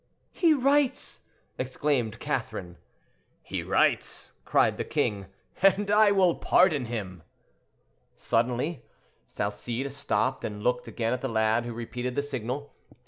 "He writes!" exclaimed Catherine. "He writes!" cried the king, "and I will pardon him." Suddenly Salcede stopped and looked again at the lad, who repeated the signal.